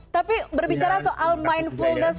tapi berbicara soal mindfulness